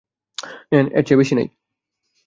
নেন, এর চেয়ে বেশি নাই।